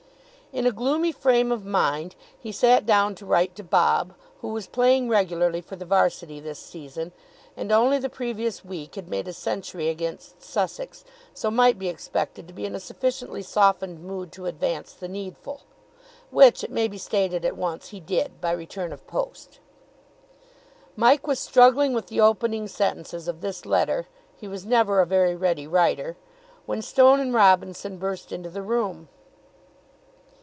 In a gloomy frame of mind he sat down to write to Bob, who was playing regularly for the 'Varsity this season, and only the previous week had made a century against Sussex, so might be expected to be in a sufficiently softened mood to advance the needful. (Which, it may be stated at once, he did, by return of post.) Mike was struggling with the opening sentences of this letter he was never a very ready writer when Stone and Robinson burst into the room.